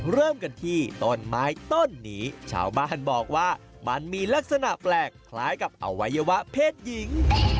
เริ่มกันที่ต้นไม้ต้นนี้ชาวบ้านบอกว่ามันมีลักษณะแปลกคล้ายกับอวัยวะเพศหญิง